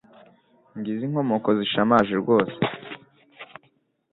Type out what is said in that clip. ngizo inkomo zishamaje rwose